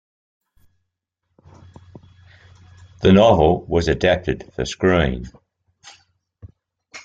The novel was adapted for screen.